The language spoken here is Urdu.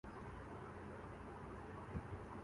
دنیا نے ایک مستحکم سیاسی نظام کا راز جان لیا ہے۔